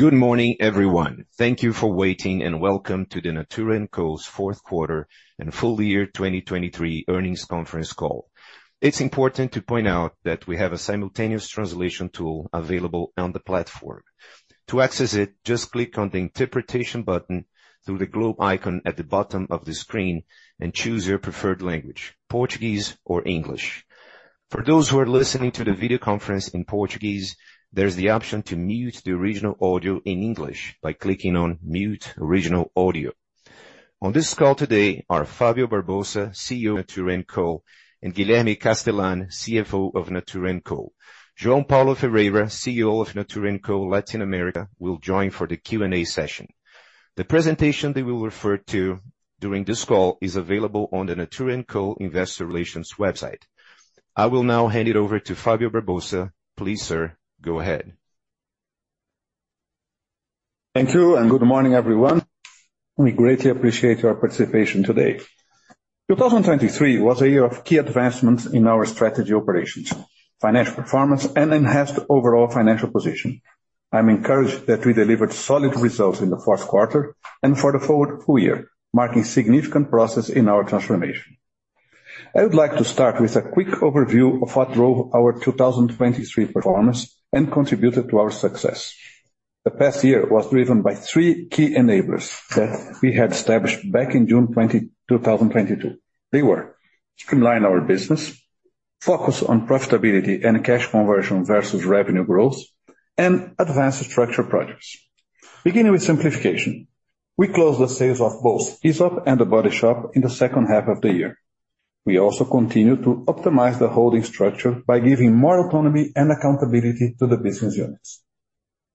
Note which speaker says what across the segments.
Speaker 1: Good morning, everyone. Thank you for waiting, and welcome to the Natura &Co fourth quarter and full year 2023 earnings conference call. It's important to point out that we have a simultaneous translation tool available on the platform. To access it, just click on the interpretation button through the globe icon at the bottom of the screen and choose your preferred language, Portuguese or English. For those who are listening to the video conference in Portuguese, there's the option to mute the original audio in English by clicking on "Mute Original Audio." On this call today are Fábio Barbosa, CEO of Natura &Co, and Guilherme Castellan, CFO of Natura &Co. João Paulo Ferreira, CEO of Natura &Co Latin America, will join for the Q&A session. The presentation they will refer to during this call is available on the Natura &Co investor relations website. I will now hand it over to Fábio Barbosa. Please, sir, go ahead.
Speaker 2: Thank you, and good morning, everyone. We greatly appreciate your participation today. 2023 was a year of key advancements in our strategy operations, financial performance, and enhanced overall financial position. I'm encouraged that we delivered solid results in the fourth quarter and for the forward full year, marking significant progress in our transformation. I would like to start with a quick overview of what drove our 2023 performance and contributed to our success. The past year was driven by three key enablers that we had established back in June 2022. They were: streamline our business, focus on profitability and cash conversion versus revenue growth, and advanced structure projects. Beginning with simplification, we closed the sales of both Aesop and The Body Shop in the second half of the year. We also continued to optimize the holding structure by giving more autonomy and accountability to the business units.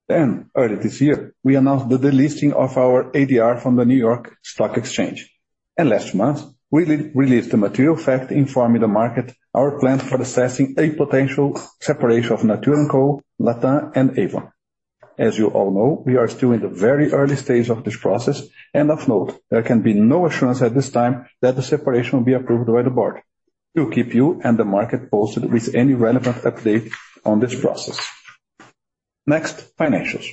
Speaker 2: Early this year, we announced the delisting of our ADR from the New York Stock Exchange, and last month we released the material fact informing the market our plan for assessing a potential separation of Natura Cosméticos, Latin, and Avon. As you all know, we are still in the very early stage of this process, and of note, there can be no assurance at this time that the separation will be approved by the board. We'll keep you and the market posted with any relevant update on this process. Next, financials.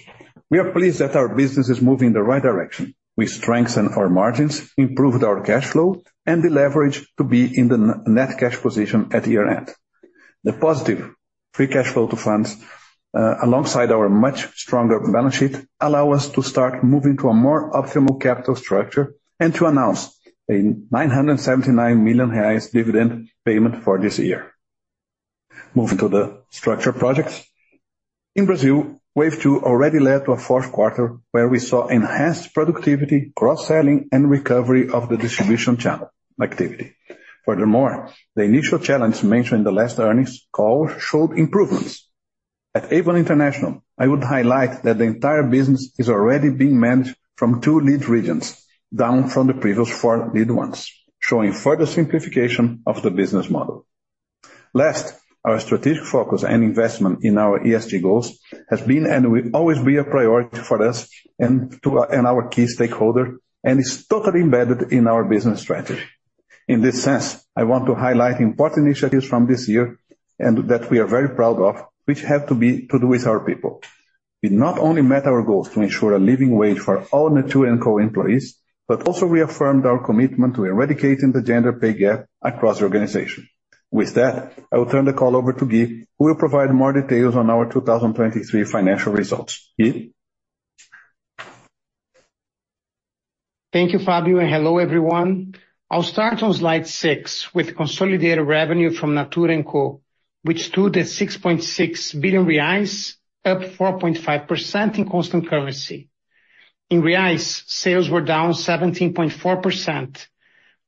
Speaker 2: We are pleased that our business is moving in the right direction. We strengthened our margins, improved our cash flow, and the leverage to be in the net cash position at year-end. The positive free cash flow to firm, alongside our much stronger balance sheet, allow us to start moving to a more optimal capital structure and to announce a 979 million dividend payment for this year. Moving to the strategic projects. In Brazil, Wave 2 already led to a fourth quarter where we saw enhanced productivity, cross-selling, and recovery of the distribution channel activity. Furthermore, the initial challenge mentioned in the last earnings call showed improvements. At Avon International, I would highlight that the entire business is already being managed from two lead regions, down from the previous four lead ones, showing further simplification of the business model. Last, our strategic focus and investment in our ESG goals has been and will always be a priority for us and our key stakeholder, and is totally embedded in our business strategy. In this sense, I want to highlight important initiatives from this year and that we are very proud of, which have to do with our people. We not only met our goals to ensure a living wage for all Natura Cosméticos employees, but also reaffirmed our commitment to eradicating the gender pay gap across the organization. With that, I will turn the call over to Gui, who will provide more details on our 2023 financial results. Gui.
Speaker 3: Thank you, Fábio, and hello, everyone. I'll start on slide six with consolidated revenue from Natura Cosméticos, which stood at 6.6 billion reais, up 4.5% in constant currency. In BRL, sales were down 17.4%,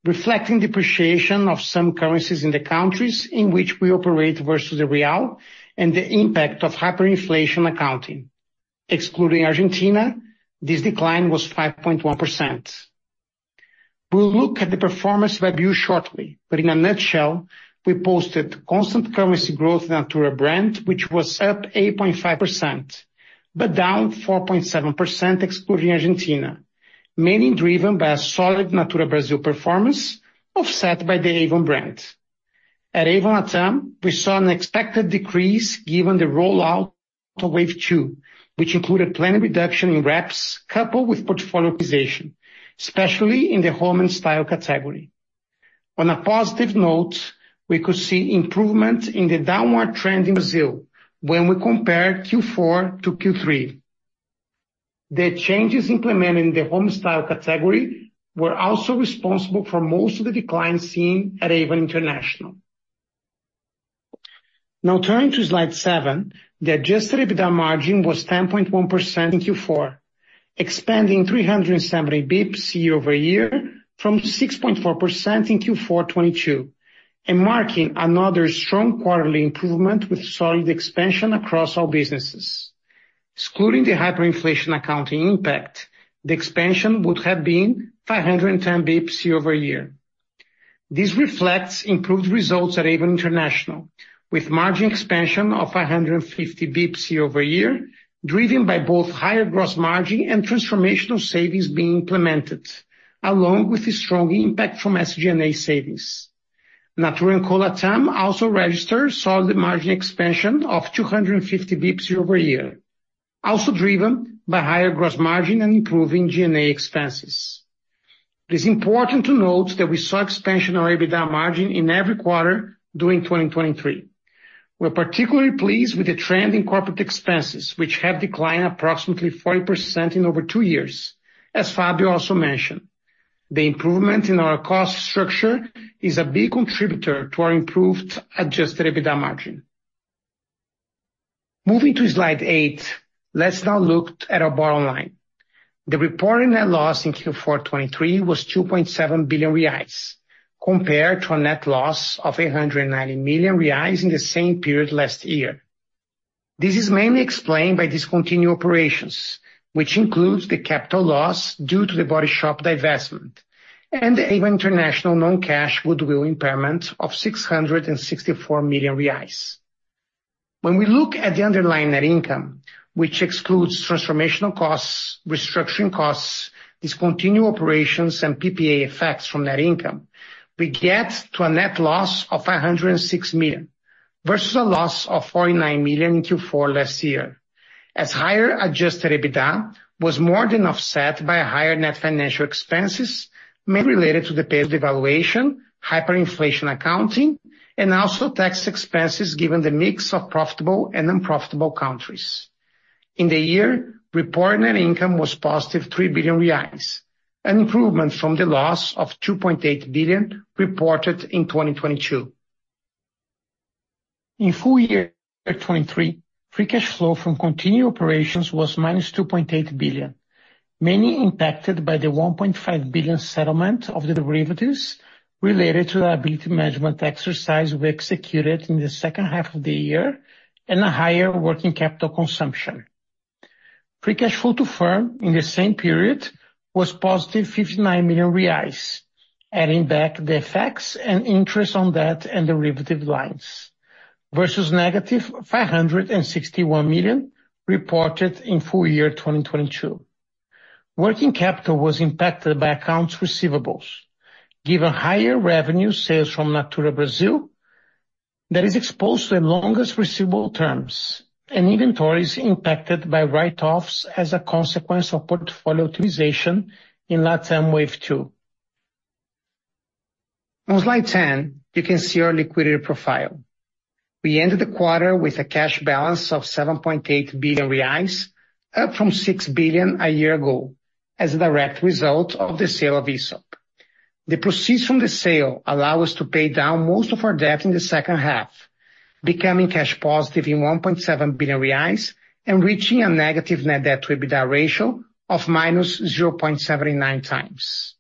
Speaker 3: reflecting depreciation of some currencies in the countries in which we operate versus the real and the impact of hyperinflation accounting. Excluding Argentina, this decline was 5.1%. We'll look at the performance review shortly, but in a nutshell, we posted constant currency growth in Natura Brand, which was up 8.5%, but down 4.7% excluding Argentina, mainly driven by a solid Natura Brazil performance offset by the Avon Brand. At Avon Latam, we saw an expected decrease given the rollout of Wave 2, which included planning reduction in reps coupled with portfolio organization, especially in the Home & Style category. On a positive note, we could see improvement in the downward trend in Brazil when we compared Q4 to Q3. The changes implemented in the Home & Style category were also responsible for most of the decline seen at Avon International. Now, turning to slide seven, the adjusted EBITDA margin was 10.1% in Q4, expanding 370 bps year-over-year from 6.4% in Q4 2022, and marking another strong quarterly improvement with solid expansion across all businesses. Excluding the hyperinflation accounting impact, the expansion would have been 510 bps year-over-year. This reflects improved results at Avon International, with margin expansion of 550 bps year-over-year driven by both higher gross margin and transformational savings being implemented, along with a strong impact from SG&A savings. Natura Cosméticos Latam also registered solid margin expansion of 250 bps year-over-year, also driven by higher gross margin and improving G&A expenses. It is important to note that we saw expansion of EBITDA margin in every quarter during 2023. We're particularly pleased with the trend in corporate expenses, which have declined approximately 40% in over two years, as Fábio also mentioned. The improvement in our cost structure is a big contributor to our improved adjusted EBITDA margin. Moving to slide eight, let's now look at our bottom line. The reported net loss in Q4 2023 was 2.7 billion reais, compared to a net loss of 890 million reais in the same period last year. This is mainly explained by discontinued operations, which includes the capital loss due to the The Body Shop divestment and the Avon International non-cash goodwill impairment of 664 million reais. When we look at the underlying net income, which excludes transformational costs, restructuring costs, discontinued operations, and PPA effects from net income, we get to a net loss of 506 million versus a loss of 49 million in Q4 last year, as higher adjusted EBITDA was more than offset by higher net financial expenses mainly related to the peso devaluation, hyperinflation accounting, and also tax expenses given the mix of profitable and unprofitable countries. In the year, reported net income was positive 3 billion reais, an improvement from the loss of 2.8 billion reported in 2022. In full year 2023, free cash flow from continued operations was minus 2.8 billion, mainly impacted by the 1.5 billion settlement of the derivatives related to the equity management exercise we executed in the second half of the year and a higher working capital consumption. Free cash flow to firm in the same period was positive 59 million reais, adding back the effects and interest on debt and derivative lines versus negative 561 million reported in full year 2022. Working capital was impacted by accounts receivables, given higher revenue sales from Natura Brazil that is exposed to the longest receivable terms, and inventories impacted by write-offs as a consequence of portfolio optimization in Latin Wave Two. On slide 10, you can see our liquidity profile. We ended the quarter with a cash balance of 7.8 billion reais, up from 6 billion a year ago as a direct result of the sale of Aesop. The proceeds from the sale allow us to pay down most of our debt in the second half, becoming cash positive in 1.7 billion reais and reaching a negative net debt to EBITDA ratio of -0.79x.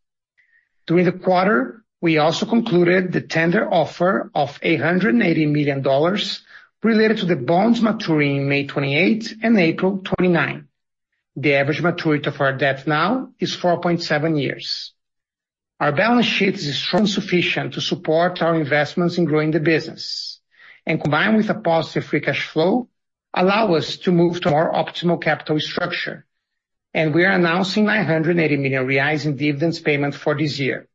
Speaker 3: During the quarter, we also concluded the tender offer of $880 million related to the bonds maturing in May 2028 and April 2029. The average maturity of our debt now is 4.7 years. Our balance sheet is strong and sufficient to support our investments in growing the business, and combined with a positive free cash flow, allow us to move to a more optimal capital structure, and we are announcing 980 million reais in dividends payment for this year.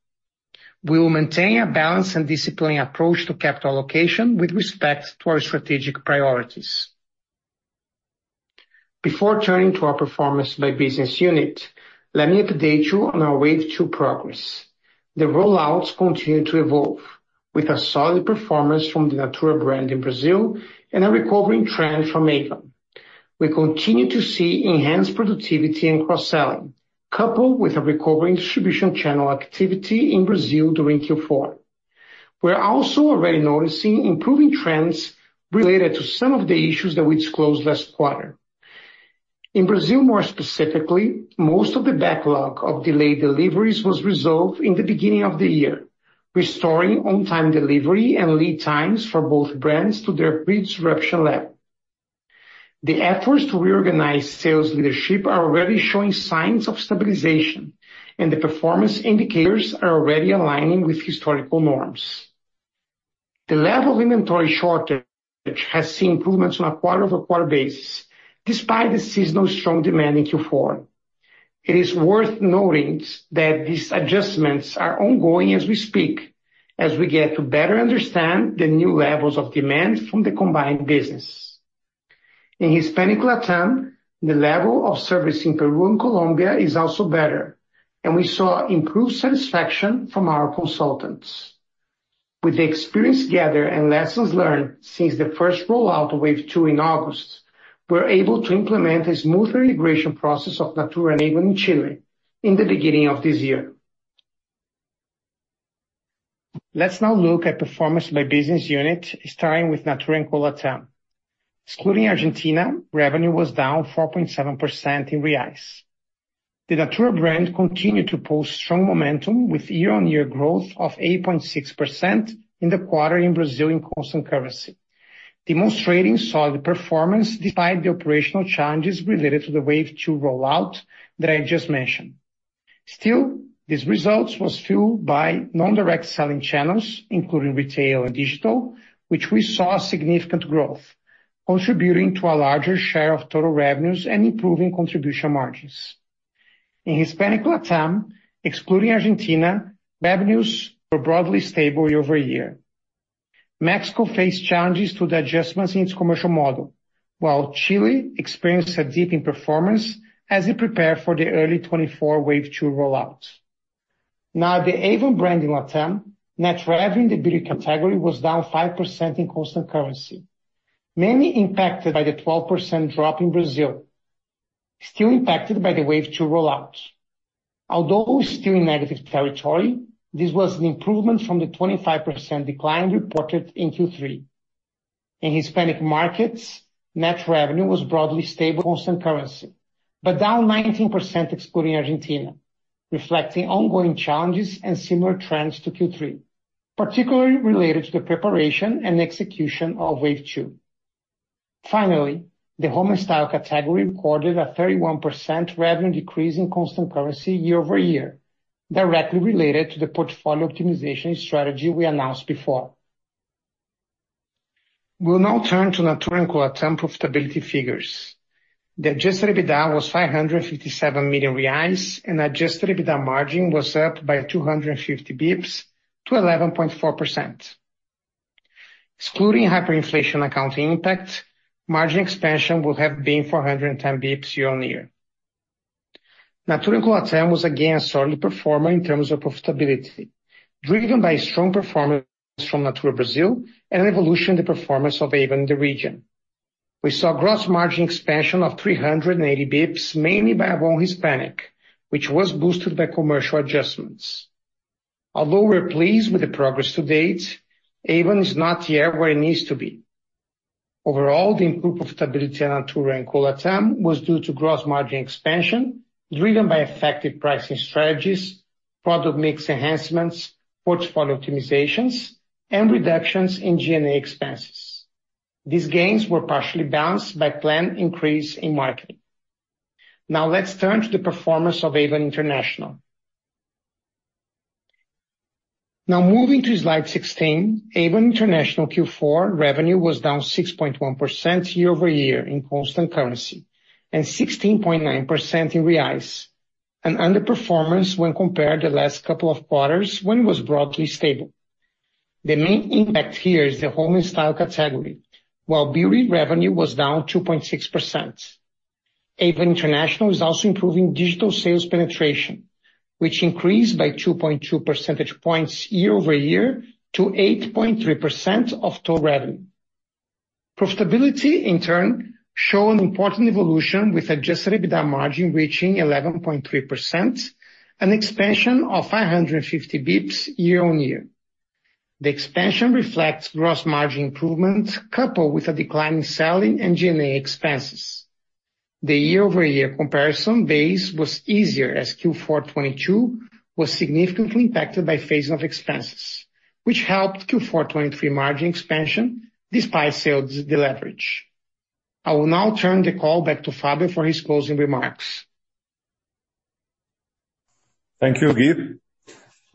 Speaker 3: We will maintain a balanced and disciplined approach to capital allocation with respect to our strategic priorities. Before turning to our performance by business unit, let me update you on our Wave 2 progress. The rollouts continue to evolve with a solid performance from the Natura Brand in Brazil and a recovering trend from Avon. We continue to see enhanced productivity and cross-selling, coupled with a recovering distribution channel activity in Brazil during Q4. We're also already noticing improving trends related to some of the issues that we disclosed last quarter. In Brazil, more specifically, most of the backlog of delayed deliveries was resolved in the beginning of the year, restoring on-time delivery and lead times for both brands to their pre-disruption level. The efforts to reorganize sales leadership are already showing signs of stabilization, and the performance indicators are already aligning with historical norms. The level of inventory shortage has seen improvements on a quarter-over-quarter basis, despite the seasonal strong demand in Q4. It is worth noting that these adjustments are ongoing as we speak, as we get to better understand the new levels of demand from the combined business. In Hispanic Latam, the level of service in Peru and Colombia is also better, and we saw improved satisfaction from our consultants. With the experience gathered and lessons learned since the first rollout of wave two in August, we're able to implement a smoother integration process of Natura and Avon in Chile in the beginning of this year. Let's now look at performance by business unit, starting with Natura Cosméticos. Excluding Argentina, revenue was down 4.7% in BRL. The Natura Brand continued to post strong momentum with year-on-year growth of 8.6% in the quarter in Brazil in constant currency, demonstrating solid performance despite the operational challenges related to the wave two rollout that I just mentioned. Still, these results were fueled by non-direct selling channels, including retail and digital, which we saw significant growth, contributing to a larger share of total revenues and improving contribution margins. In Hispanic Latam, excluding Argentina, revenues were broadly stable year-over-year. Mexico faced challenges to the adjustments in its commercial model, while Chile experienced a dip in performance as it prepared for the early 2024 Wave Two rollout. Now, the Avon Brand in Latin, net revenue in the Beauty category was down 5% in constant currency, mainly impacted by the 12% drop in Brazil, still impacted by the Wave Two rollout. Although still in negative territory, this was an improvement from the 25% decline reported in Q3. In Hispanic markets, net revenue was broadly stable in constant currency, but down 19% excluding Argentina, reflecting ongoing challenges and similar trends to Q3, particularly related to the preparation and execution of Wave Two. Finally, the Home & Style category recorded a 31% revenue decrease in constant currency year-over-year, directly related to the portfolio optimization strategy we announced before. We'll now turn to Natura Cosméticos profitability figures. The adjusted EBITDA was 557 million reais, and adjusted EBITDA margin was up by 250 bps to 11.4%. Excluding hyperinflation accounting impact, margin expansion would have been 410 bps year-on-year. Natura Cosméticos Latin was again a solid performer in terms of profitability, driven by strong performance from Natura Brazil and an evolution in the performance of Avon in the region. We saw gross margin expansion of 380 bps, mainly by Avon Hispanic, which was boosted by commercial adjustments. Although we're pleased with the progress to date, Avon is not yet where it needs to be. Overall, the improved profitability at Natura Cosméticos Latin was due to gross margin expansion driven by effective pricing strategies, product mix enhancements, portfolio optimizations, and reductions in G&A expenses. These gains were partially balanced by planned increase in marketing. Now, let's turn to the performance of Avon International. Now, moving to slide 16, Avon International Q4 revenue was down 6.1% year-over-year in constant currency and 16.9% in reais, an underperformance when compared to the last couple of quarters when it was broadly stable. The main impact here is the Home & Style category, while beauty revenue was down 2.6%. Avon International is also improving digital sales penetration, which increased by 2.2 percentage points year-over-year to 8.3% of total revenue. Profitability, in turn, showed an important evolution with adjusted EBITDA margin reaching 11.3%, an expansion of 550 bps year-over-year. The expansion reflects gross margin improvements coupled with a decline in selling and G&A expenses. The year-over-year comparison base was easier as Q4 2022 was significantly impacted by phasing of expenses, which helped Q4 2023 margin expansion despite sales deleverage. I will now turn the call back to Fábio for his closing remarks.
Speaker 2: Thank you, Gui.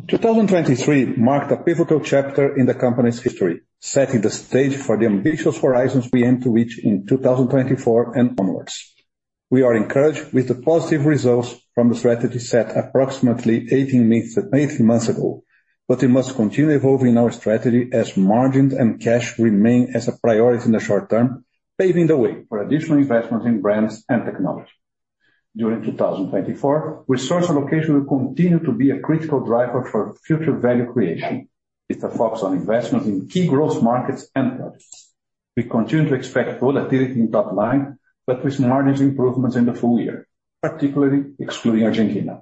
Speaker 2: 2023 marked a pivotal chapter in the company's history, setting the stage for the ambitious horizons we aim to reach in 2024 and onwards. We are encouraged with the positive results from the strategy set approximately 18 months ago, but it must continue evolving in our strategy as margins and cash remain a priority in the short term, paving the way for additional investments in brands and technology. During 2024, resource allocation will continue to be a critical driver for future value creation with a focus on investments in key growth markets and projects. We continue to expect volatility in top line, but with margins improvements in the full year, particularly excluding Argentina.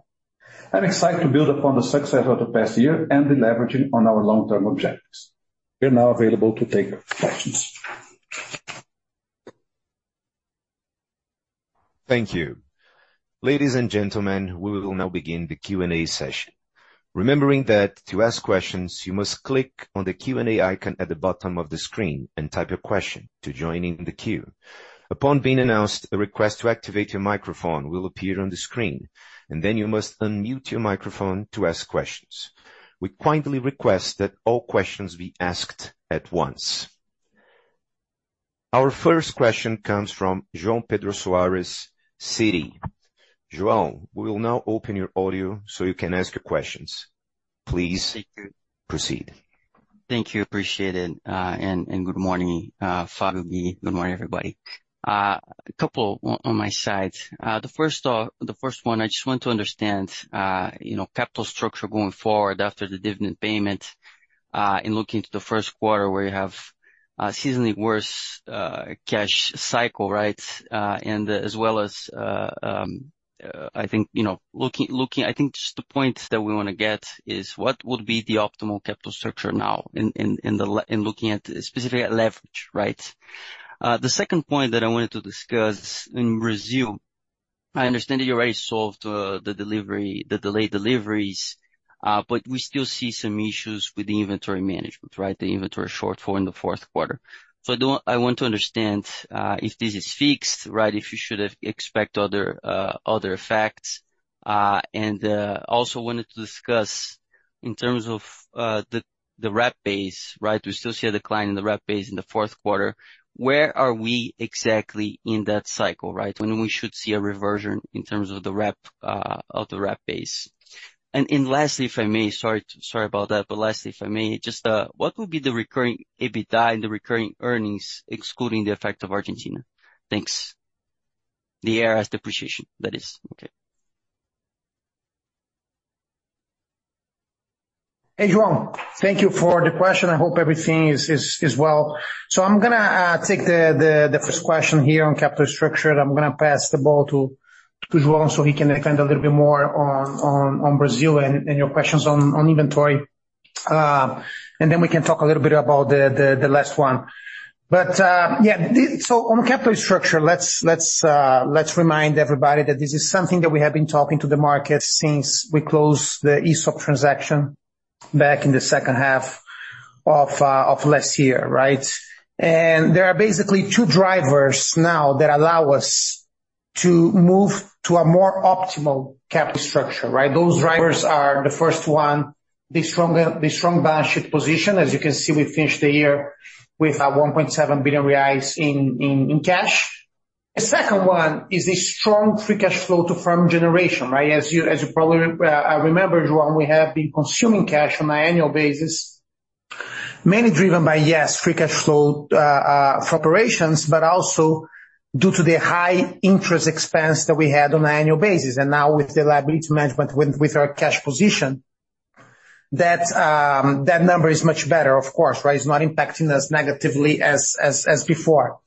Speaker 2: I'm excited to build upon the success of the past year and leverage it on our long-term objectives. We're now available to take questions.
Speaker 1: Thank you. Ladies and gentlemen, we will now begin the Q&A session. Remembering that to ask questions, you must click on the Q&A icon at the bottom of the screen and type your question to join in the queue. Upon being announced, a request to activate your microphone will appear on the screen, and then you must unmute your microphone to ask questions. We kindly request that all questions be asked at once. Our first question comes from João Pedro Soares, Citi. João, we will now open your audio so you can ask your questions. Please proceed.
Speaker 4: Thank you. Thank you. Appreciate it. And good morning, Fábio, hi. Good morning, everybody. A couple on my side. The first one, I just want to understand capital structure going forward after the dividend payment and looking to the first quarter where you have a seasonally worse cash cycle, right? And as well as, I think, looking I think just the point that we want to get is what would be the optimal capital structure now in looking specifically at leverage, right? The second point that I wanted to discuss in Brazil, I understand that you already solved the delayed deliveries, but we still see some issues with the inventory management, right? The inventory shortfall in the fourth quarter. So I want to understand if this is fixed, right? If you should expect other effects. And also wanted to discuss in terms of the rep base, right? We still see a decline in the rep base in the fourth quarter. Where are we exactly in that cycle, right? When we should see a reversion in terms of the rep of the rep base. And lastly, if I may. Sorry about that, but lastly, if I may, what would be the recurring EBITDA and the recurring earnings excluding the effect of Argentina? Thanks. The area's depreciation, that is. Okay.
Speaker 3: Hey, João. Thank you for the question. I hope everything is well. So I'm going to take the first question here on capital structure. I'm going to pass the ball to João so he can defend a little bit more on Brazil and your questions on inventory. And then we can talk a little bit about the last one. But yeah, so on capital structure, let's remind everybody that this is something that we have been talking to the market since we closed the Aesop transaction back in the second half of last year, right? And there are basically two drivers now that allow us to move to a more optimal capital structure, right? Those drivers are the first one, the strong balance sheet position. As you can see, we finished the year with 1.7 billion reais in cash. The second one is the strong free cash flow to firm generation, right? As you probably remember, João, we have been consuming cash on an annual basis, mainly driven by, yes, free cash flow for operations, but also due to the high interest expense that we had on an annual basis. And now with the liability management with our cash position, that number is much better, of course, right? It's not impacting us negatively as before.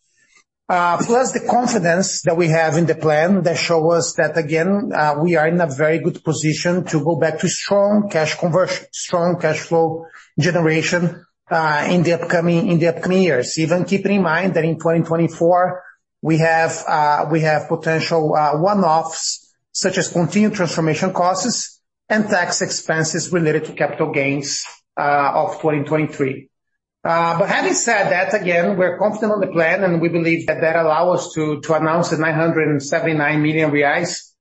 Speaker 3: Plus, the confidence that we have in the plan that shows us that, again, we are in a very good position to go back to strong cash conversion, strong cash flow generation in the upcoming years. Even keeping in mind that in 2024, we have potential one-offs such as continued transformation costs and tax expenses related to capital gains of 2023. But having said that, again, we're confident on the plan, and we believe that allow us to announce the 979 million reais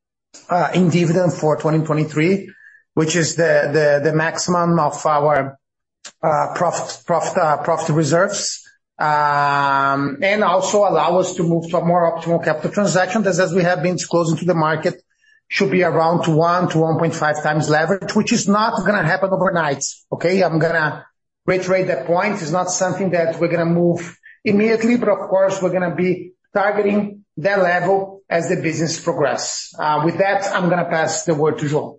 Speaker 3: in dividend for 2023, which is the maximum of our profit reserves, and also allow us to move to a more optimal capital transaction because, as we have been disclosing to the market, should be around 1-1.5 times leverage, which is not going to happen overnight, okay? I'm going to reiterate that point. It's not something that we're going to move immediately, but of course, we're going to be targeting that level as the business progresses. With that, I'm going to pass the word to João.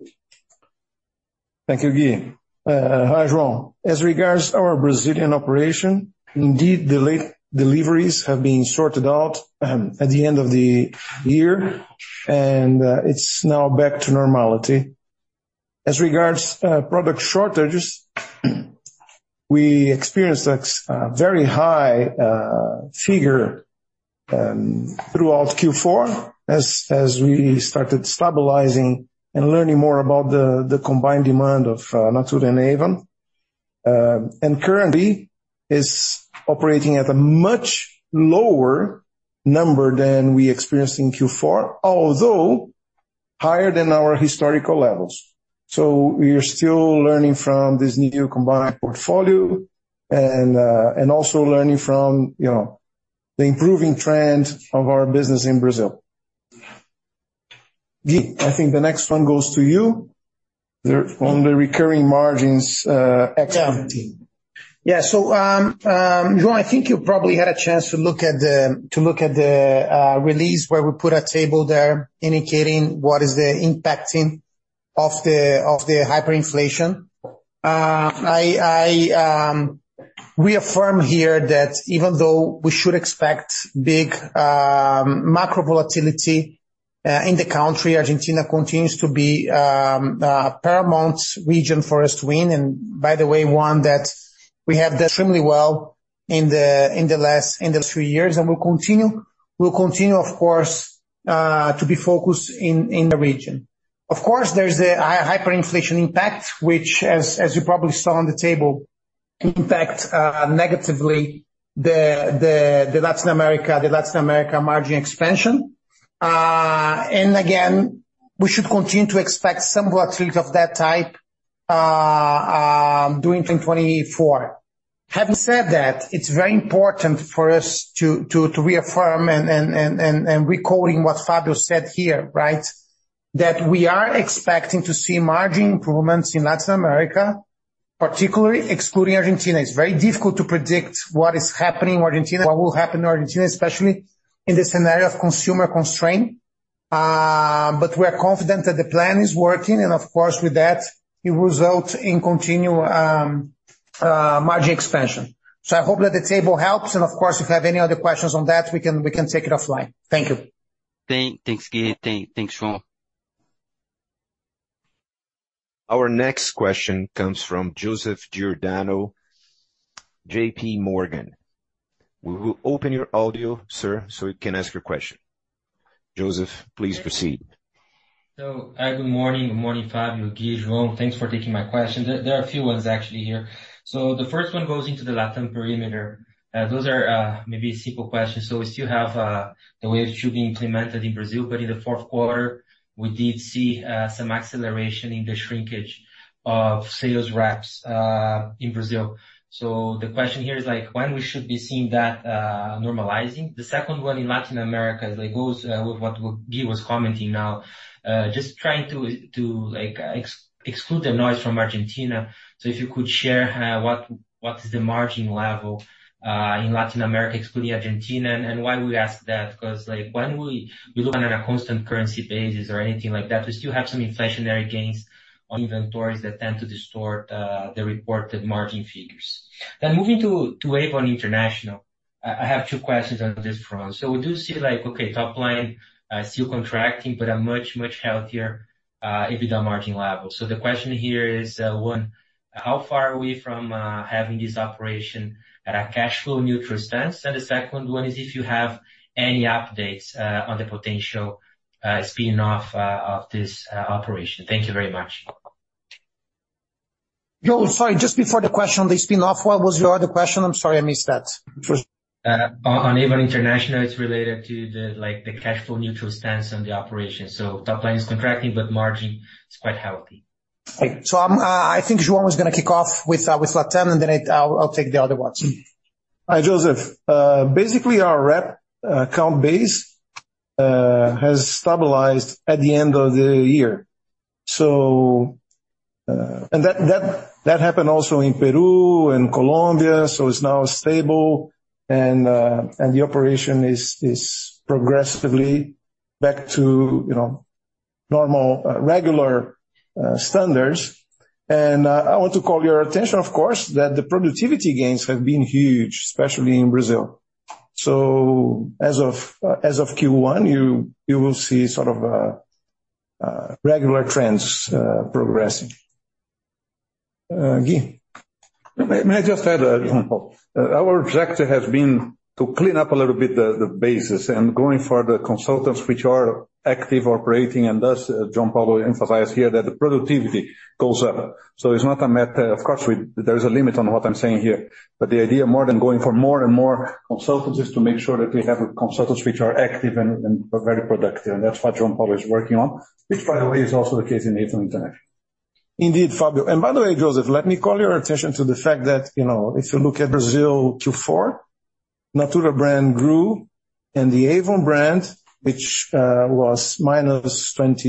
Speaker 5: Thank you, Gui. Hi, João. As regards our Brazilian operation, indeed, delayed deliveries have been sorted out at the end of the year, and it's now back to normality. As regards product shortages, we experienced a very high figure throughout Q4 as we started stabilizing and learning more about the combined demand of Natura and Avon. And currently, we are operating at a much lower number than we experienced in Q4, although higher than our historical levels. So we are still learning from this new combined portfolio and also learning from the improving trend of our business in Brazil. Gui, I think the next one goes to you on the recurring margins expert team. Yeah.
Speaker 3: So João, I think you probably had a chance to look at the release where we put a table there indicating what is the impact of the hyperinflation. I reaffirm here that even though we should expect big macro volatility in the country, Argentina continues to be a paramount region for us and one that we have extremely well in the last few years. And we'll continue, of course, to be focused in region. Of course, there's a hyperinflation impact, which, as you probably saw on the table, impacts negatively the Latin America margin expansion. And again, we should continue to expect some volatility of that type during 2024. Having said that, it's very important for us to reaffirm and echoing what Fábio said here, right? That we are expecting to see margin improvements in Latin America, particularly excluding Argentina. It's very difficult to predict what is happening in Argentina. What will happen in Argentina, especially in the scenario of consumer constraint? But we are confident that the plan is working. And of course, with that, it results in continual margin expansion. So I hope that the table helps. And of course, if you have any other questions on that, we can take it offline. Thank you.
Speaker 4: Thanks, Gui. Thanks, João.
Speaker 1: Our next question comes from Joseph Giordano, JPMorgan. We will open your audio, sir, so you can ask your question. Joseph, please proceed.
Speaker 6: So good morning. Good morning, Fábio, Gui, João. Thanks for taking my question. There are a few ones, actually, here. So the first one goes into the Latin perimeter. Those are maybe simple questions. So we still have the wave should be implemented in Brazil, but in the fourth quarter, we did see some acceleration in the shrinkage of sales reps in Brazil. So the question here is when we should be seeing that normalizing. The second one in Latin America goes with what Gui was commenting now, just trying to exclude the noise from Argentina. So if you could share what is the margin level in Latin America, excluding Argentina, and why we ask that? Because when we look on a constant currency basis or anything like that, we still have some inflationary gains on inventories that tend to distort the reported margin figures. Then moving to Avon International, I have two questions on this front. So we do see, okay, top line still contracting, but a much, much healthier EBITDA margin level. So the question here is, one, how far are we from having this operation at a cash flow neutral stance? And the second one is if you have any updates on the potential spin-off of this operation. Thank you very much.
Speaker 3: João, sorry, just before the question on the spin-off, what was your other question? I'm sorry, I missed that.
Speaker 6: On Avon International, it's related to the cash flow neutral stance on the operation. So top line is contracting, but margin is quite healthy. Okay.
Speaker 3: So I think João is going to kick off with Latam, and then I'll take the other ones.
Speaker 5: Hi, Joseph. Basically, our rep account base has stabilized at the end of the year. And that happened also in Peru and Colombia, so it's now stable. And the operation is progressively back to normal, regular standards. And I want to call your attention, of course, that the productivity gains have been huge, especially in Brazil. So as of Q1, you will see sort of regular trends progressing. Gui?
Speaker 2: May I just add that our objective has been to clean up a little bit the basis. And going for the consultants, which are actively operating and thus, João Paulo emphasized here that the productivity goes up. So it's not a matter of course, there is a limit on what I'm saying here. But the idea, more than going for more and more consultants, is to make sure that we have consultants which are active and very productive. And that's what João Paulo is working on, which, by the way, is also the case in Avon International.
Speaker 5: Indeed, Fábio. And by the way, Joseph, let me call your attention to the fact that if you look at Brazil Q4, Natura brand grew, and the Avon brand, which was -24%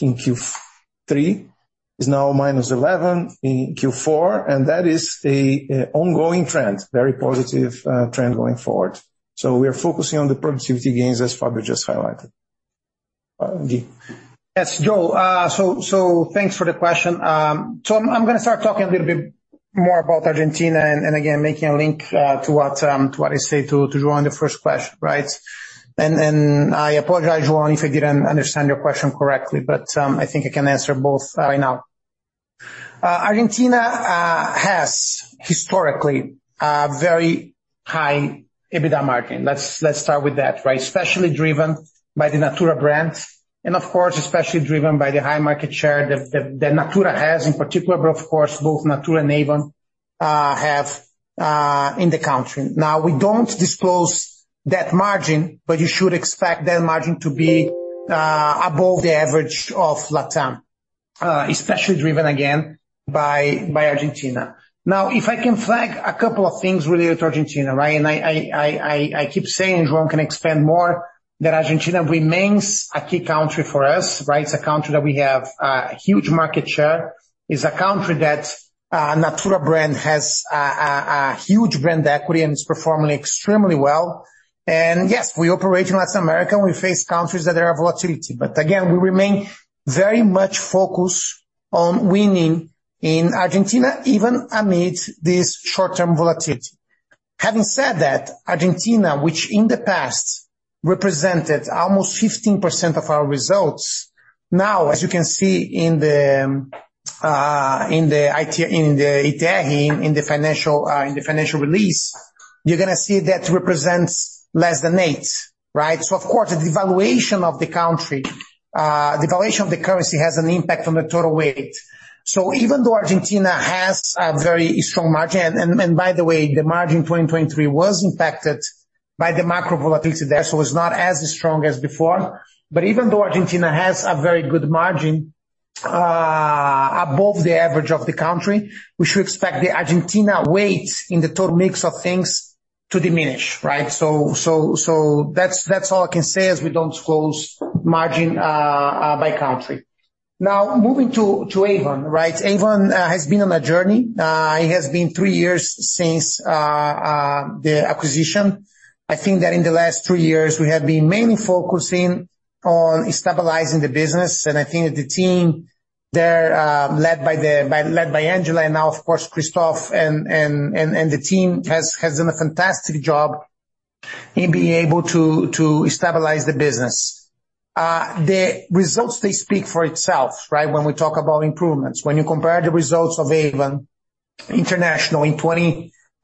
Speaker 5: in Q3, is now -11% in Q4. And that is an ongoing trend, very positive trend going forward. So we are focusing on the productivity gains as Fábio just highlighted. Gui?
Speaker 3: Yes, João. So thanks for the question. So I'm going to start talking a little bit more about Argentina and, again, making a link to what I say to João in the first question, right? And I apologize, João, if I didn't understand your question correctly, but I think I can answer both right now. Argentina has historically a very high EBITDA margin. Let's start with that, right? Especially driven by the Natura brand and, of course, especially driven by the high market share that Natura has in particular, but of course, both Natura and Avon have in the country. Now, we don't disclose that margin, but you should expect that margin to be above the average of Latam, especially driven, again, by Argentina. Now, if I can flag a couple of things related to Argentina, right? And I keep saying, João can expand more, that Argentina remains a key country for us, right? It's a country that we have a huge market share. It's a country that Natura brand has a huge brand equity and is performing extremely well. Yes, we operate in Latin America. We face countries that are volatile. Again, we remain very much focused on winning in Argentina, even amid this short-term volatility. Having said that, Argentina, which in the past represented almost 15% of our results, now, as you can see in the ITR, in the financial release, you're going to see that represents less than 8%, right? So of course, the devaluation of the country, the devaluation of the currency has an impact on the total weight. So even though Argentina has a very strong margin and by the way, the margin in 2023 was impacted by the macro volatility there, so it's not as strong as before. But even though Argentina has a very good margin above the average of the country, we should expect the Argentina weight in the total mix of things to diminish, right? So that's all I can say as we don't close margin by country. Now, moving to Avon, right? Avon has been on a journey. It has been three years since the acquisition. I think that in the last three years, we have been mainly focusing on stabilizing the business. And I think that the team there, led by Angela and now, of course, Kristof and the team, has done a fantastic job in being able to stabilize the business. The results, they speak for itself, right? When we talk about improvements, when you compare the results of Avon International in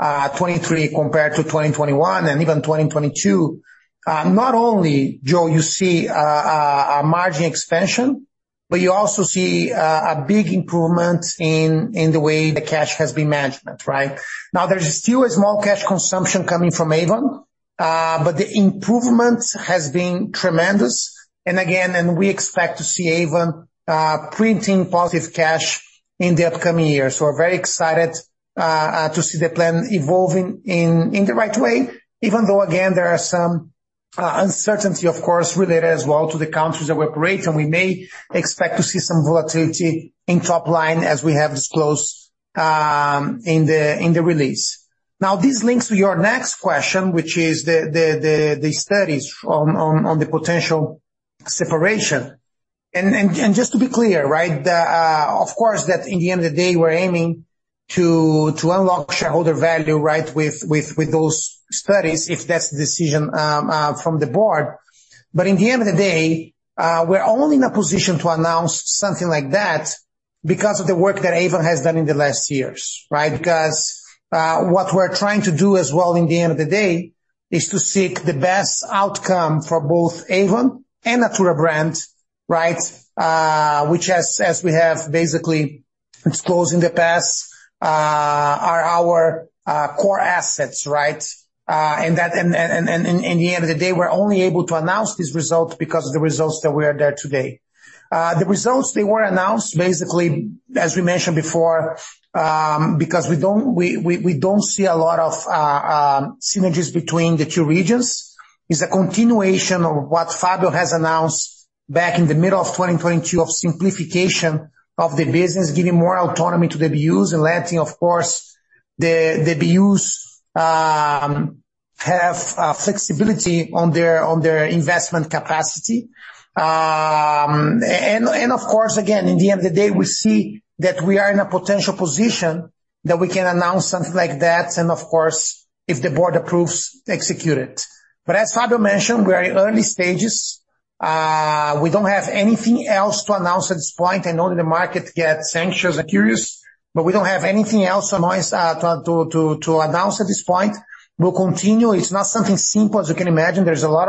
Speaker 3: 2023 compared to 2021 and even 2022, not only, João, you see a margin expansion, but you also see a big improvement in the way the cash has been managed, right? Now, there's still a small cash consumption coming from Avon, but the improvement has been tremendous. And again, we expect to see Avon printing positive cash in the upcoming year. So we're very excited to see the plan evolving in the right way, even though, again, there are some uncertainty, of course, related as well to the countries that we operate in. We may expect to see some volatility in top line as we have disclosed in the release. Now, this links to your next question, which is the studies on the potential separation. And just to be clear, right? Of course, that in the end of the day, we're aiming to unlock shareholder value, right, with those studies if that's the decision from the board. But in the end of the day, we're only in a position to announce something like that because of the work that Avon has done in the last years, right? Because what we're trying to do as well in the end of the day is to seek the best outcome for both Avon and Natura brand, right? Which, as we have basically disclosed in the past, are our core assets, right? And in the end of the day, we're only able to announce these results because of the results that we are there today. The results, they were announced basically, as we mentioned before, because we don't see a lot of synergies between the two regions. It's a continuation of what Fábio has announced back in the middle of 2022 of simplification of the business, giving more autonomy to the BUs and letting, of course, the BUs have flexibility on their investment capacity. And of course, again, in the end of the day, we see that we are in a potential position that we can announce something like that. Of course, if the board approves, execute it. As Fábio mentioned, we're in early stages. We don't have anything else to announce at this point. I know that the market gets anxious and curious, but we don't have anything else to announce at this point. We'll continue. It's not something simple, as you can imagine. There's a lot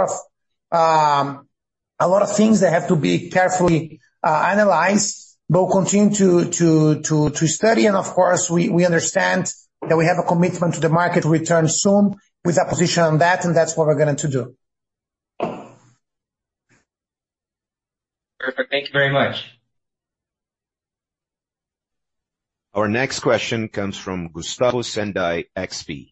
Speaker 3: of things that have to be carefully analyzed. We'll continue to study. Of course, we understand that we have a commitment to the market return soon. We're in a position on that, and that's what we're going to do.
Speaker 6: Perfect. Thank you very much.
Speaker 1: Our next question comes from Gustavo Senday, XP.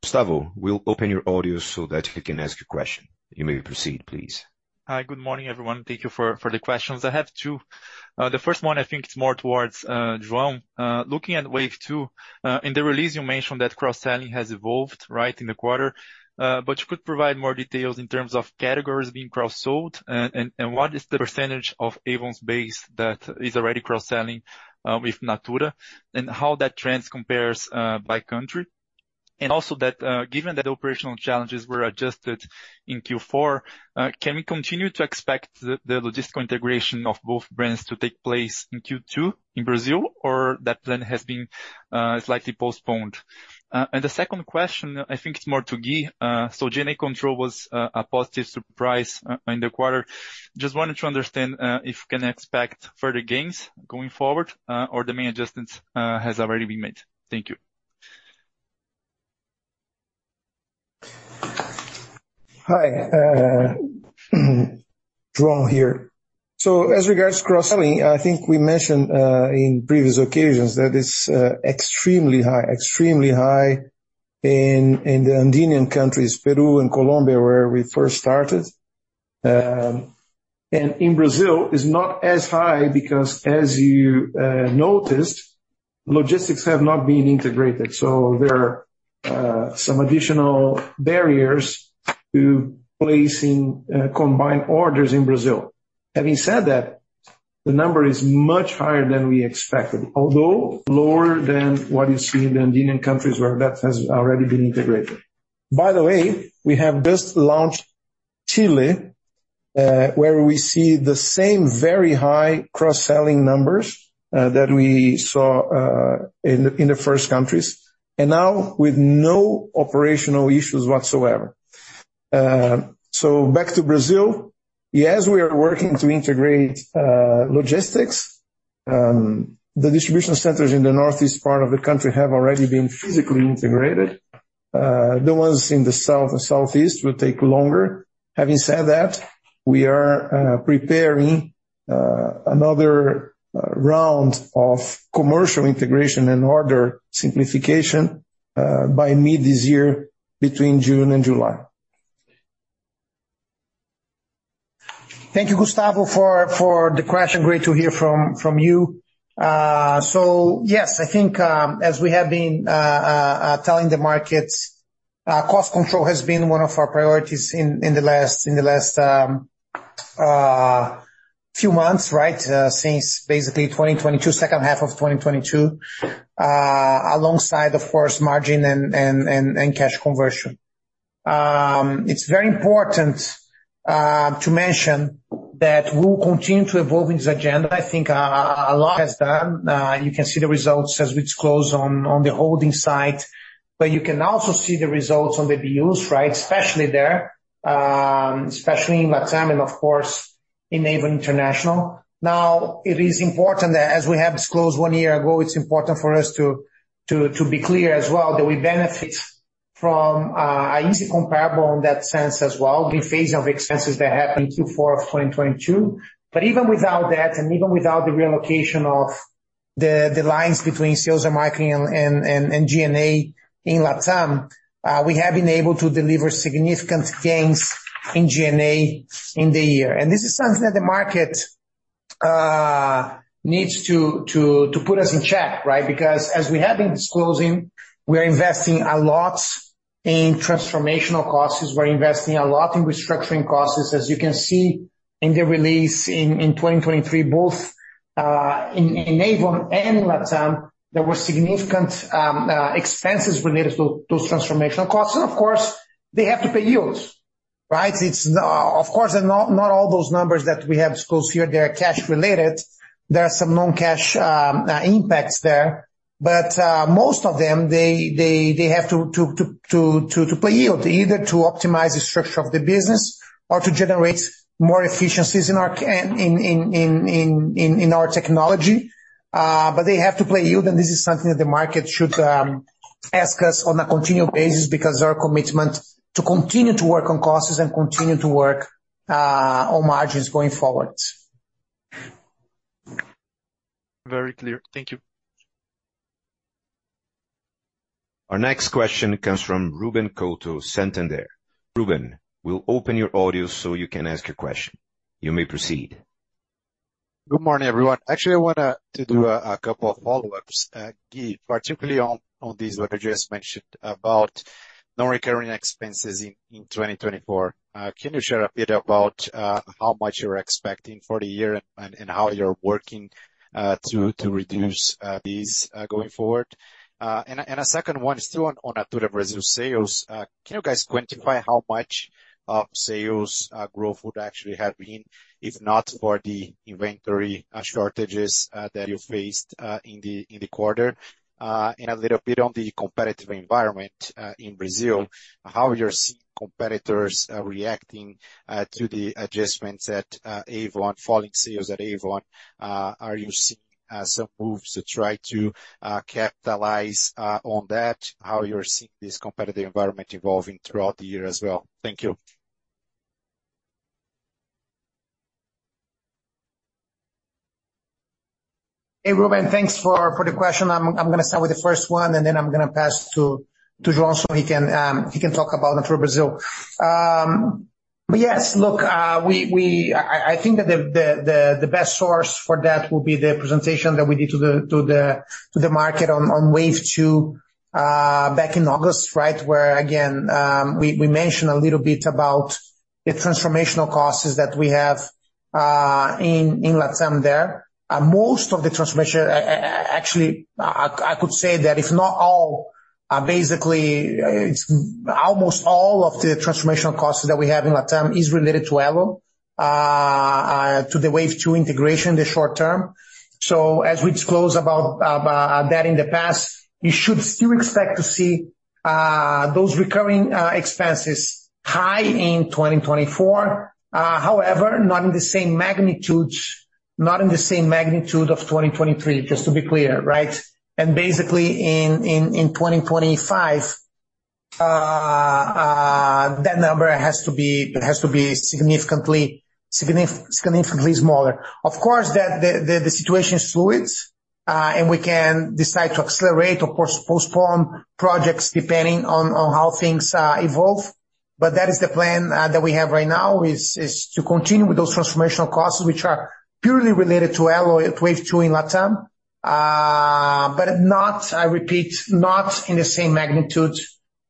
Speaker 1: Gustavo, we'll open your audio so that you can ask your question. You may proceed, please.
Speaker 7: Hi. Good morning, everyone. Thank you for the questions. I have two. The first one, I think it's more towards João. Looking at wave two, in the release, you mentioned that cross-selling has evolved, right, in the quarter. But you could provide more details in terms of categories being cross-sold and what is the percentage of Avon's base that is already cross-selling with Natura and how that trend compares by country. And also that given that the operational challenges were adjusted in Q4, can we continue to expect the logistical integration of both brands to take place in Q2 in Brazil, or that plan has been slightly postponed? And the second question, I think it's more to Gui. So G&A control was a positive surprise in the quarter. Just wanted to understand if we can expect further gains going forward or the main adjustments have already been made. Thank you.
Speaker 5: Hi. João here. As regards to cross-selling, I think we mentioned in previous occasions that it's extremely high, extremely high in the Andean countries, Peru and Colombia, where we first started. In Brazil, it's not as high because, as you noticed, logistics have not been integrated. There are some additional barriers to placing combined orders in Brazil. Having said that, the number is much higher than we expected, although lower than what you see in the Andean countries where that has already been integrated. By the way, we have just launched Chile where we see the same very high cross-selling numbers that we saw in the first countries and now with no operational issues whatsoever. Back to Brazil. Yes, we are working to integrate logistics. The distribution centers in the northeast part of the country have already been physically integrated. The ones in the south and southeast will take longer. Having said that, we are preparing another round of commercial integration and order simplification by mid this year between June and July.
Speaker 3: Thank you, Gustavo, for the question. Great to hear from you. So yes, I think as we have been telling the markets, cost control has been one of our priorities in the last few months, right, since basically 2022, second half of 2022, alongside, of course, margin and cash conversion. It's very important to mention that we'll continue to evolve in this agenda. I think a lot has done. You can see the results as we disclose on the holding site. But you can also see the results on the BUs, right, especially there, especially in Latam and, of course, in Avon International. Now, it is important that as we have disclosed one year ago, it is important for us to be clear as well that we benefit from an easy comparable in that sense as well, the phase of expenses that happened in Q4 of 2022. But even without that and even without the relocation of the lines between sales and marketing and G&A in Latam, we have been able to deliver significant gains in G&A in the year. And this is something that the market needs to put us in check, right? Because as we have been disclosing, we are investing a lot in transformational costs. We are investing a lot in restructuring costs. As you can see in the release in 2023, both in Avon and in Latam, there were significant expenses related to those transformational costs. And of course, they have to pay yields, right? Of course, not all those numbers that we have disclosed here, they are cash-related. There are some non-cash impacts there. But most of them, they have to pay yield, either to optimize the structure of the business or to generate more efficiencies in our technology. But they have to pay yield. And this is something that the market should ask us on a continual basis because our commitment to continue to work on costs and continue to work on margins going forward.
Speaker 7: Very clear. Thank you.
Speaker 1: Our next question comes from Ruben Couto Santander. Ruben, we'll open your audio so you can ask your question. You may proceed.
Speaker 8: Good morning, everyone. Actually, I want to do a couple of follow-ups, Gui, particularly on these what I just mentioned about non-recurring expenses in 2024. Can you share a bit about how much you're expecting for the year and how you're working to reduce these going forward? And a second one is still on Natura Brazil sales. Can you guys quantify how much of sales growth would actually have been, if not for the inventory shortages that you faced in the quarter? And a little bit on the competitive environment in Brazil, how you're seeing competitors reacting to the adjustments at Avon, falling sales at Avon. Are you seeing some moves to try to capitalize on that? How you're seeing this competitive environment evolving throughout the year as well? Thank you.
Speaker 3: Hey, Ruben, thanks for the question. I'm going to start with the first one, and then I'm going to pass to João so he can talk about Natura Brazil. But yes, look, I think that the best source for that will be the presentation that we did to the market on Wave Two back in August, right, where, again, we mentioned a little bit about the transformational costs that we have in Latam there. Most of the transformation, actually, I could say that if not all, basically, almost all of the transformational costs that we have in Latam is related to Elo, to the Wave Two integration in the short term. So as we disclose about that in the past, you should still expect to see those recurring expenses high in 2024, however, not in the same magnitude, not in the same magnitude of 2023, just to be clear, right? And basically, in 2025, that number has to be significantly smaller. Of course, the situation is fluid, and we can decide to accelerate or postpone projects depending on how things evolve. But that is the plan that we have right now, is to continue with those transformational costs, which are purely related to Elo, wave two in Latam, but not, I repeat, not in the same magnitude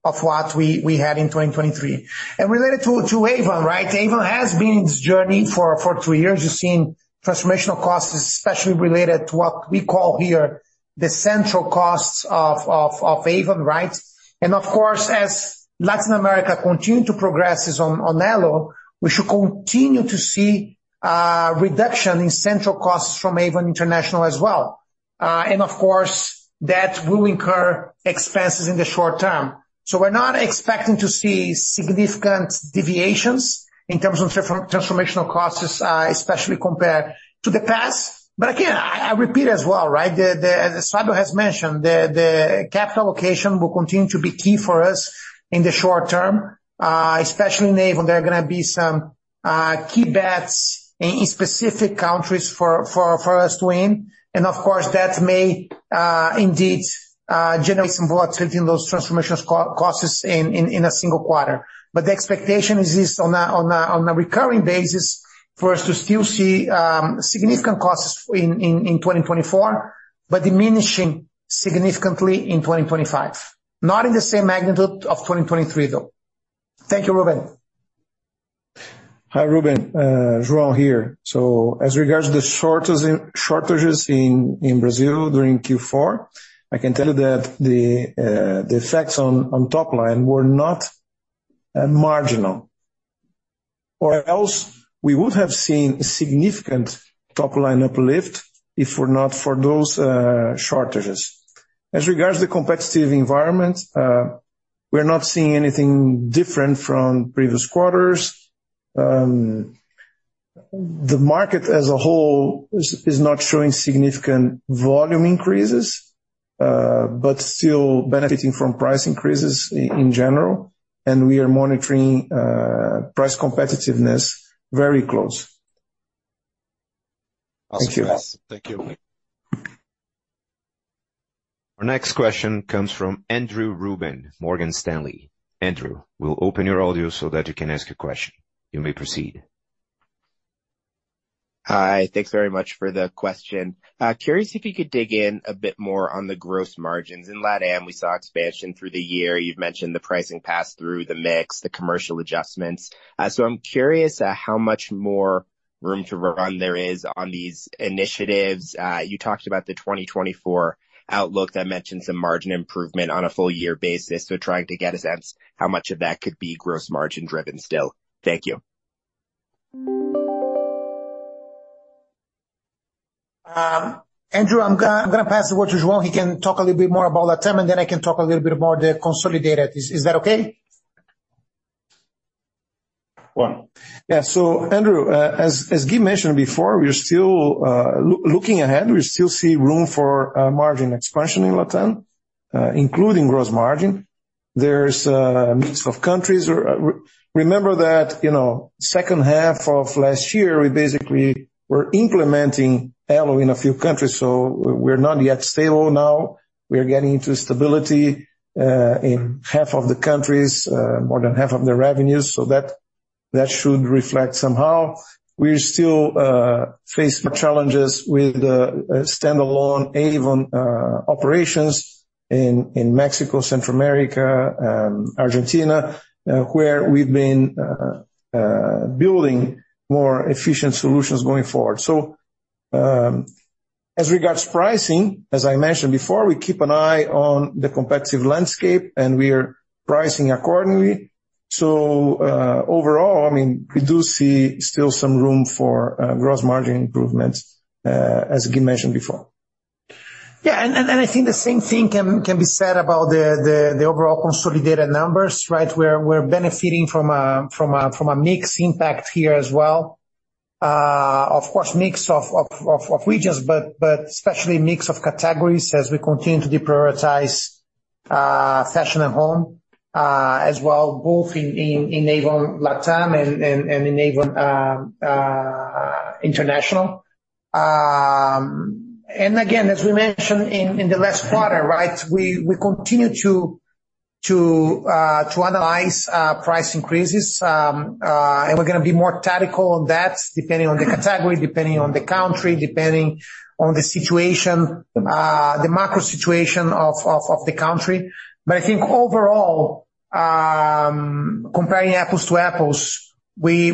Speaker 3: of what we had in 2023. And related to Avon, right? Avon has been in this journey for three years. You've seen transformational costs, especially related to what we call here the central costs of Avon, right? And of course, as Latin America continues to progress on Elo, we should continue to see reduction in central costs from Avon International as well. And of course, that will incur expenses in the short term. So we're not expecting to see significant deviations in terms of transformational costs, especially compared to the past. But again, I repeat as well, right? As Fábio has mentioned, the capital allocation will continue to be key for us in the short term, especially in Avon. There are going to be some key bets in specific countries for us to win. And of course, that may indeed generate some volatility in those transformational costs in a single quarter. But the expectation is on a recurring basis for us to still see significant costs in 2024 but diminishing significantly in 2025, not in the same magnitude of 2023, though. Thank you, Ruben.
Speaker 5: Hi, Ruben. João here. So as regards to the shortages in Brazil during Q4, I can tell you that the effects on top line were not marginal. Or else, we would have seen significant top line uplift if not for those shortages. As regards to the competitive environment, we're not seeing anything different from previous quarters. The market as a whole is not showing significant volume increases but still benefiting from price increases in general. We are monitoring price competitiveness very close. Thank you.
Speaker 8: Thank you.
Speaker 1: Our next question comes from Andrew Ruben, Morgan Stanley. Andrew, we'll open your audio so that you can ask your question. You may proceed.
Speaker 9: Hi. Thanks very much for the question. Curious if you could dig in a bit more on the gross margins. In Latam, we saw expansion through the year. You've mentioned the pricing passed through, the mix, the commercial adjustments. So I'm curious how much more room to run there is on these initiatives. You talked about the 2024 outlook. That mentioned some margin improvement on a full-year basis. So trying to get a sense how much of that could be gross margin-driven still. Thank you.
Speaker 3: Andrew, I'm going to pass the word to João. He can talk a little bit more about Latam, and then I can talk a little bit more to consolidate it. Is that okay?
Speaker 9: Yeah.
Speaker 5: So Andrew, as Gui mentioned before, we're still looking ahead. We still see room for margin expansion in Latam, including gross margin. There's a mix of countries. Remember that second half of last year, we basically were implementing Elo in a few countries. So we're not yet stable now. We are getting into stability in half of the countries, more than half of their revenues. So that should reflect somehow. We still face challenges with standalone Avon operations in Mexico, Central America, Argentina, where we've been building more efficient solutions going forward. So as regards to pricing, as I mentioned before, we keep an eye on the competitive landscape, and we are pricing accordingly. So overall, I mean, we do see still some room for gross margin improvements, as Gui mentioned before.
Speaker 3: Yeah. And I think the same thing can be said about the overall consolidated numbers, right? We're benefiting from a mix impact here as well, of course, mix of regions, but especially mix of categories as we continue to deprioritize fashion and home as well, both in Avon Latam and in Avon International. And again, as we mentioned in the last quarter, right, we continue to analyze price increases. And we're going to be more tactical on that depending on the category, depending on the country, depending on the situation, the macro situation of the country. But I think overall, comparing apples to apples, we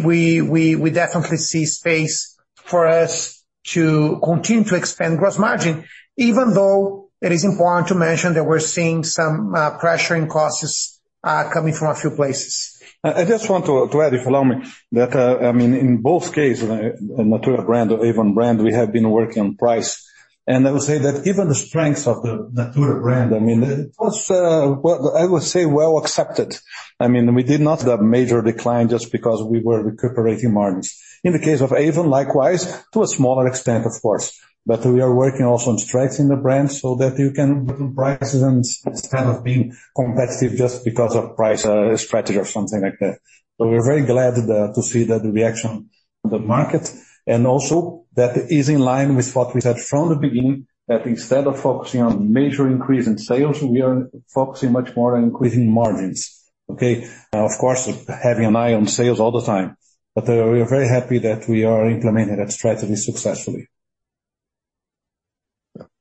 Speaker 3: definitely see space for us to continue to expand gross margin, even though it is important to mention that we're seeing some pressuring costs coming from a few places.
Speaker 2: I just want to add, if you allow me, that I mean, in both cases, Natura brand or Avon brand, we have been working on price. And I would say that even the strengths of the Natura brand, I mean, it was, I would say, well accepted. I mean, we did not have a major decline just because we were recuperating margins. In the case of Avon, likewise, to a smaller extent, of course. But we are working also on strengths in the brand so that you can work on prices instead of being competitive just because of price strategy or something like that. So we're very glad to see that reaction of the market and also that is in line with what we said from the beginning, that instead of focusing on major increase in sales, we are focusing much more on increasing margins, okay, of course, having an eye on sales all the time. But we are very happy that we are implementing that strategy successfully.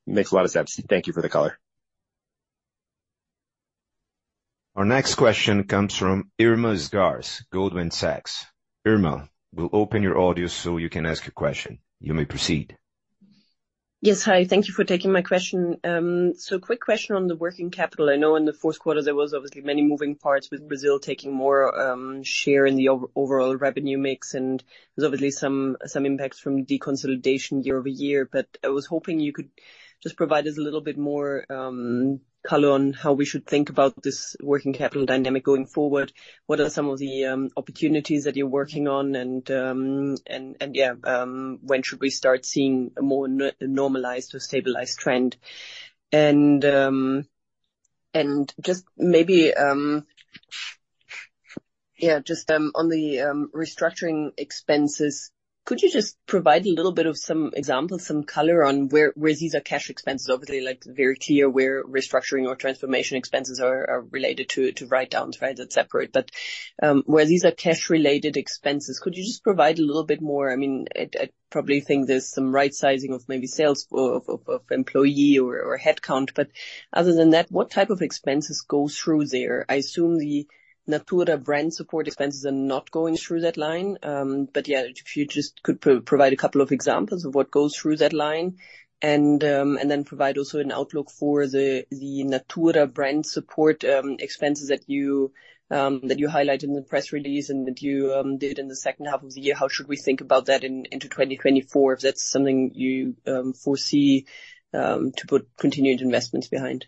Speaker 2: Makes a lot of sense.
Speaker 1: Thank you for the color. Our next question comes from Irma Sgarz, Goldman Sachs. Irma, we'll open your audio so you can ask your question. You may proceed.
Speaker 10: Yes, hi. Thank you for taking my question. So quick question on the working capital. I know in the fourth quarter, there was obviously many moving parts with Brazil taking more share in the overall revenue mix. And there's obviously some impacts from deconsolidation year-over-year. I was hoping you could just provide us a little bit more color on how we should think about this working capital dynamic going forward. What are some of the opportunities that you're working on? And yeah, when should we start seeing a more normalized or stabilized trend? And just maybe, yeah, just on the restructuring expenses, could you just provide a little bit of some examples, some color on where these are cash expenses? Obviously, very clear where restructuring or transformation expenses are related to write-downs, right? That's separate. But where these are cash-related expenses, could you just provide a little bit more? I mean, I probably think there's some right-sizing of maybe sales of employee or headcount. But other than that, what type of expenses go through there? I assume the Natura brand support expenses are not going through that line. But yeah, if you just could provide a couple of examples of what goes through that line and then provide also an outlook for the Natura brand support expenses that you highlighted in the press release and that you did in the second half of the year, how should we think about that into 2024, if that's something you foresee to put continued investments behind?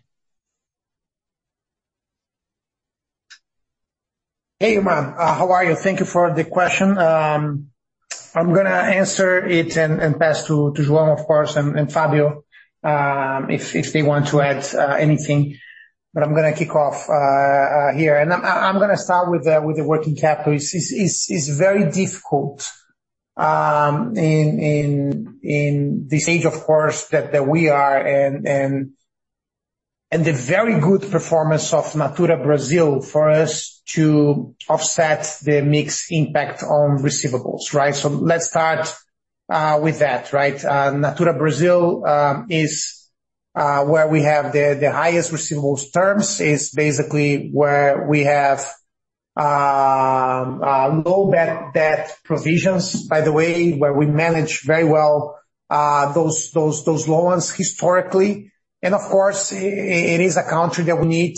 Speaker 3: Hey, Irma. How are you? Thank you for the question. I'm going to answer it and pass to João, of course, and Fábio if they want to add anything. But I'm going to kick off here. And I'm going to start with the working capital. It's very difficult in this age, of course, that we are and the very good performance of Natura Brazil for us to offset the mix impact on receivables, right? So let's start with that, right? Natura Brazil is where we have the highest receivables terms. It's basically where we have low debt provisions, by the way, where we manage very well those loans historically. And of course, it is a country that we need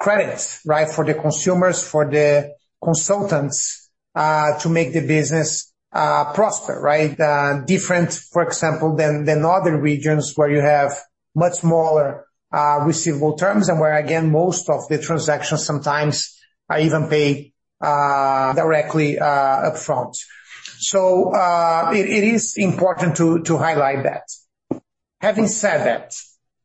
Speaker 3: credits, right, for the consumers, for the consultants to make the business prosper, right, different, for example, than other regions where you have much smaller receivable terms and where, again, most of the transactions sometimes are even paid directly upfront. So it is important to highlight that. Having said that,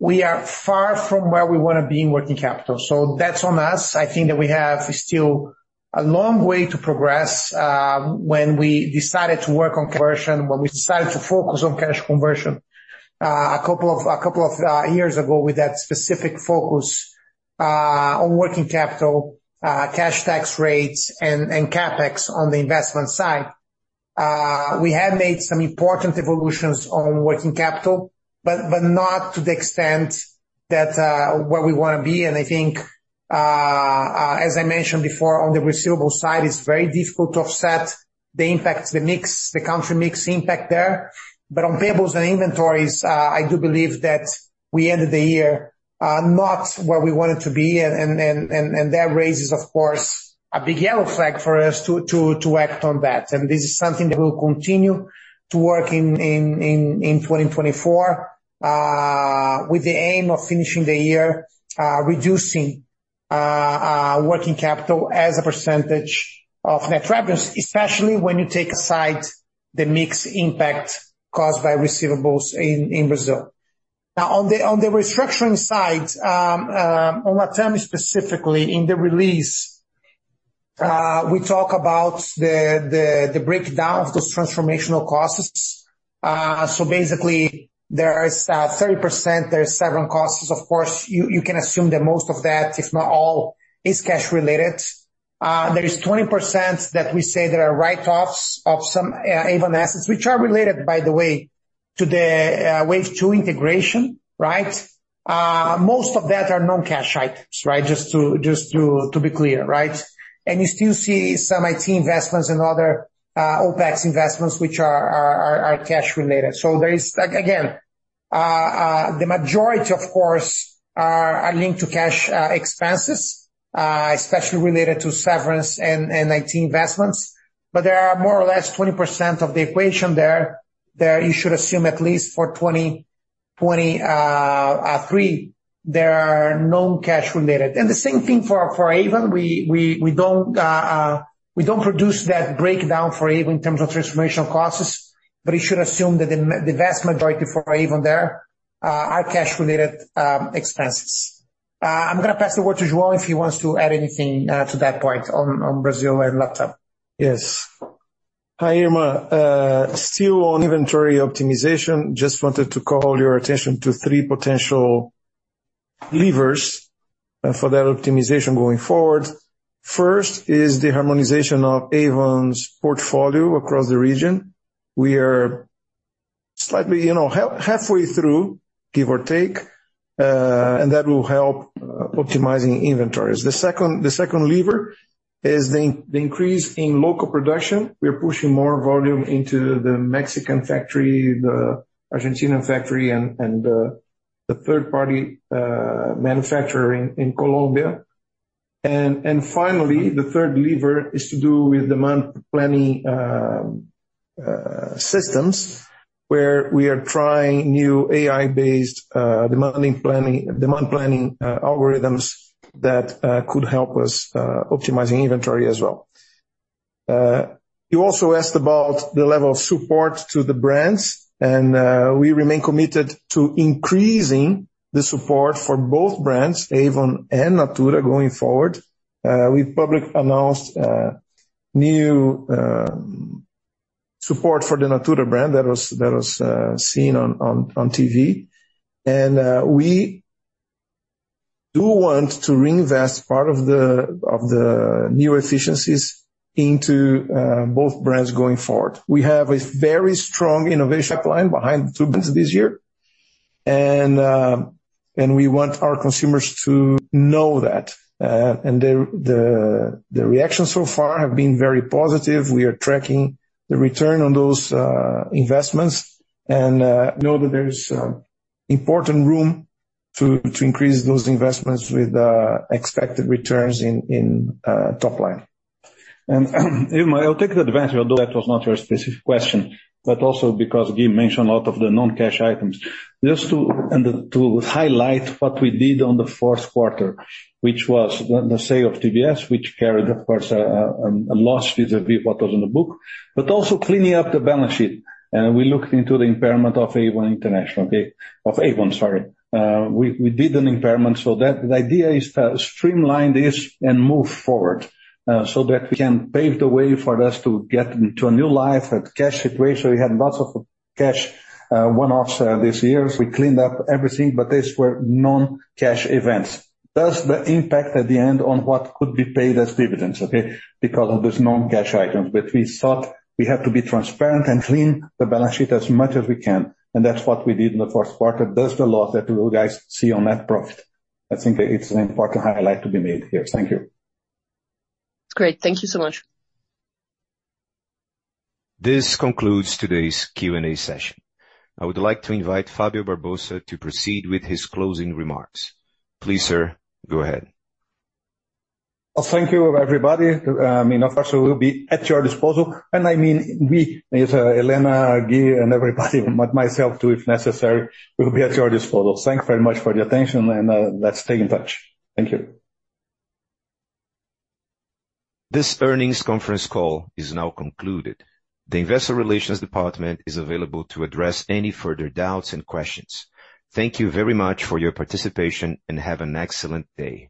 Speaker 3: we are far from where we want to be in working capital. So that's on us. I think that we have still a long way to progress when we decided to work on conversion, when we decided to focus on cash conversion a couple of years ago with that specific focus on working capital, cash tax rates, and CapEx on the investment side. We have made some important evolutions on working capital, but not to the extent where we want to be. And I think, as I mentioned before, on the receivable side, it's very difficult to offset the impact, the country mix impact there. But on payables and inventories, I do believe that we ended the year not where we wanted to be. And that raises, of course, a big yellow flag for us to act on that. And this is something that we'll continue to work in 2024 with the aim of finishing the year reducing working capital as a percentage of net revenues, especially when you take aside the mixed impact caused by receivables in Brazil. Now, on the restructuring side, on Latam specifically, in the release, we talk about the breakdown of those transformational costs. So basically, there is 30%. There are several costs. Of course, you can assume that most of that, if not all, is cash-related. There is 20% that we say that are write-offs of some Avon assets, which are related, by the way, to the wave two integration, right? Most of that are non-cash items, right, just to be clear, right? And you still see some IT investments and other OPEX investments, which are cash-related. So again, the majority, of course, are linked to cash expenses, especially related to severance and IT investments. But there are more or less 20% of the equation there that you should assume at least for 2023, there are non-cash-related. And the same thing for Avon. We don't produce that breakdown for Avon in terms of transformational costs. But you should assume that the vast majority for Avon there are cash-related expenses. I'm going to pass the word to João if he wants to add anything to that point on Brazil and Latam.
Speaker 5: Yes. Hi, Irma. Still. Inventory optimization. Just wanted to call your attention to three potential levers for that optimization going forward. First is the harmonization of Avon's portfolio across the region. We are slightly halfway through, give or take, and that will help optimizing inventories. The second lever is the increase in local production. We are pushing more volume into the Mexican factory, the Argentinian factory, and the third-party manufacturer in Colombia. Finally, the third lever is to do with demand planning systems where we are trying new AI-based demand planning algorithms that could help us optimizing inventory as well. You also asked about the level of support to the brands. We remain committed to increasing the support for both brands, Avon and Natura, going forward. We publicly announced new support for the Natura brand that was seen on TV. We do want to reinvest part of the new efficiencies into both brands going forward. We have a very strong innovation pipeline behind the two brands this year. We want our consumers to know that. The reaction so far has been very positive. We are tracking the return on those investments. We know that there's important room to increase those investments with expected returns in top line.
Speaker 2: Irma, I'll take the advantage. That was not your specific question, but also because Gui mentioned a lot of the non-cash items. Just to highlight what we did on the fourth quarter, which was the sale of TBS, which carried, of course, a loss vis-à-vis what was in the book, but also cleaning up the balance sheet. We looked into the impairment of Avon International, okay, of Avon, sorry. We did an impairment. The idea is to streamline this and move forward so that we can pave the way for us to get into a new life at cash situation. We had lots of cash one-offs this year. We cleaned up everything, but these were non-cash events. Does that impact at the end on what could be paid as dividends, okay, because of these non-cash items? But we thought we had to be transparent and clean the balance sheet as much as we can. And that's what we did in the fourth quarter. Does the loss that you guys see on net profit? I think it's an important highlight to be made here. Thank you.
Speaker 10: Great. Thank you so much.
Speaker 1: This concludes today's Q&A session. I would like to invite Fábio Barbosa to proceed with his closing remarks. Please, sir, go ahead.
Speaker 2: Thank you, everybody. I mean, of course, we will be at your disposal. And I mean, we, as Helena, Gui, and everybody, myself too, if necessary, will be at your disposal. Thanks very much for the attention. And let's stay in touch. Thank you.
Speaker 1: This earnings conference call is now concluded. The investor relations department is available to address any further doubts and questions. Thank you very much for your participation and have an excellent day.